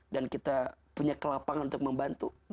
dan kita punya kelapangan untuk membantu